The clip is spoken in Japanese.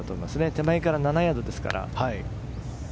手前から７ヤードですから。